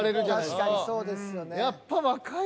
確かにそうですよね。